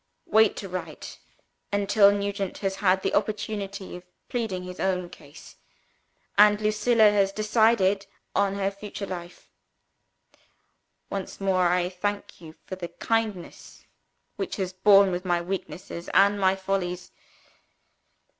Wait to write, until Nugent has had the opportunity of pleading his own cause, and Lucilla has decided on her future life. "Once more, I thank you for the kindness which has borne with my weaknesses and my follies.